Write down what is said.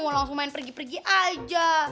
mau langsung main pergi pergi aja